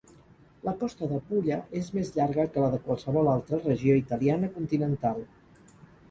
La costa de Pulla és més llarga que la de qualsevol altra regió italiana continental.